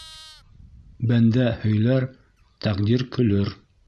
Бәндә һөйләр, тәҡдир көләр.